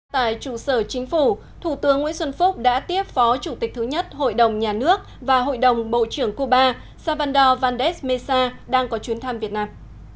tại trụ sở chính phủ thủ tướng nguyễn xuân phúc đã tiếp phó chủ tịch thứ nhất hội đồng nhà nước và hội đồng bộ trưởng cuba salvador valdes mesa đang có chuyến thăm việt nam